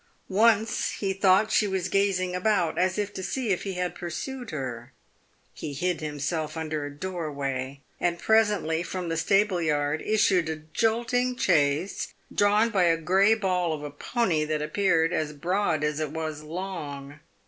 Once he thought she was gazing about, as if to see if lie had pursued her. He hid himself under a doorway, and presently from the stableyard issued a jolting chaise, drawn by a grey ball of a pony that appeared as broad as it was long.